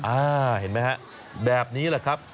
อ่าเห็นมั้ยฮะแบบนี้ละครับ